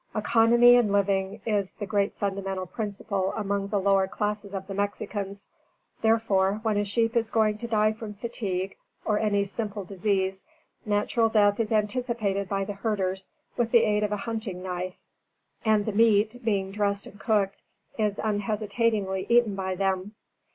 Economy in living is the great fundamental principle among the lower classes of the Mexicans; therefore, when a sheep is going to die from fatigue, or any simple disease, natural death is anticipated by the herders with the aid of the hunting knife, and the meat, being dressed and cooked, is unhesitatingly eaten by them.